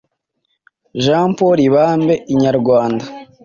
Jean Paul Ibambe/ Inyarwanda